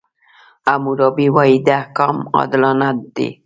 حموربي وایي، دا احکام عادلانه دي.